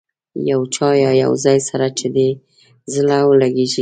یو چا یا یو ځای سره چې دې زړه ولګېږي.